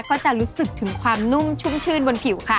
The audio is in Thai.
ก็จะรู้สึกถึงความนุ่มชุ่มชื่นบนผิวค่ะ